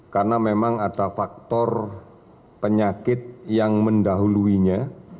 karena memang ada faktor penyakit yang mendahulunya